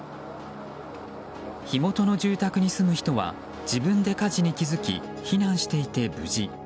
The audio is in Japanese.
火元の住宅に住む人は自分で火事に気付き避難していて無事。